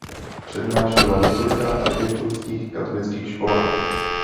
Přednášel na několika argentinských katolických školách.